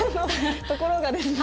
ところがですね